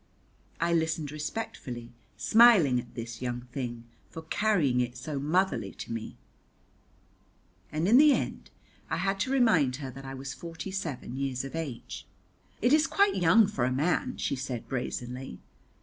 I listened respectfully, smiling at this young thing for carrying it so motherly to me, and in the end I had to remind her that I was forty seven years of age. "It is quite young for a man," she said brazenly.